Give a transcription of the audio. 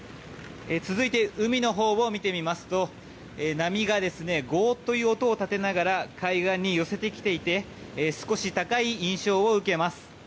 続いて海のほうを見てみますと波がゴーという音を立てながら海岸に寄せてきていて少し高い印象を受けます。